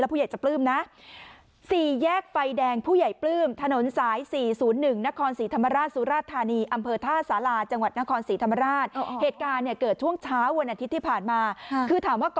ผู้ใหญ่จะปลื้มนะ